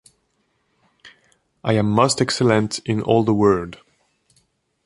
I am most excellent in all the world!